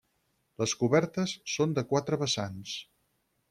Les cobertes són de quatre vessants.